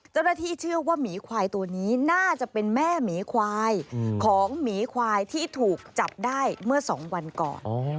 เจ้าหน้าที่เชื่อว่าหมีควายตัวนี้น่าจะเป็นแม่หมีควายของหมีควายที่ถูกจับได้เมื่อ๒วันก่อน